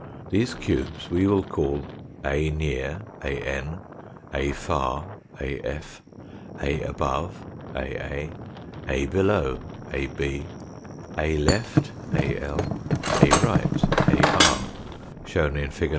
These cubes we will call A near ATI, A far A/, A above Aa, A below Ab, A left Al, A right Ar, shown in fig.